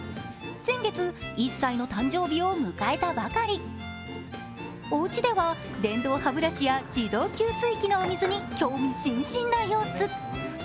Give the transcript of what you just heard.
先月、１歳の誕生日を迎えたばかりお家では電動歯ブラシや自動給水器に興味津々な様子。